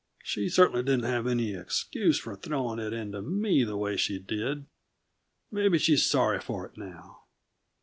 "She certainly didn't have any excuse for throwing it into me the way she did; maybe she's sorry for it now."